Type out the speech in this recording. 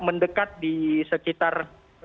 mendekat di sekitar